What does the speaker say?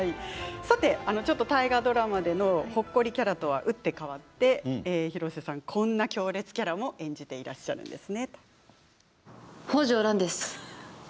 大河ドラマでの、ほっこりキャラとは打って変わって広瀬さん、こんな強烈キャラも演じていらっしゃるんです。